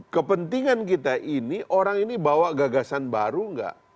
kepentingan kita ini orang ini bawa gagasan baru nggak